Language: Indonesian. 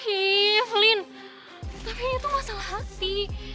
hivelyn tapi itu masalah hati